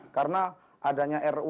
karena adanya ru